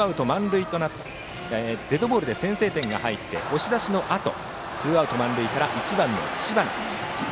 デッドボールで先制点が入って押し出しのあとツーアウト満塁から１番の知花。